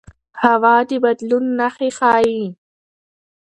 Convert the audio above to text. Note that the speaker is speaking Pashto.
هوا د بدلون نښې ښيي